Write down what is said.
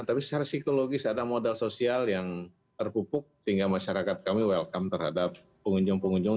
tapi secara psikologis ada modal sosial yang terpupuk sehingga masyarakat kami welcome terhadap pengunjung pengunjung